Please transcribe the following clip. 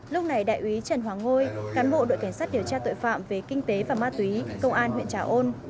lúc này đại úy trần hoàng ngôi cán bộ đội cảnh sát điều tra tội phạm về kinh tế và ma túy công an huyện trà ôn